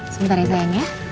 sebentar ya sayang ya